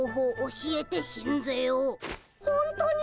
ほんとに！？